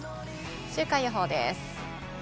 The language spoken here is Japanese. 週間予報です。